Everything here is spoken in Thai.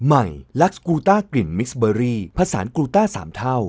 ใหม่ลักษกูต้ากลิ่นมิสเบอรี่ผสานกูต้า๓เท่า